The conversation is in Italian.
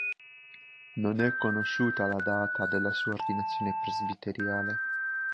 Non è conosciuta la data della sua ordinazione presbiterale.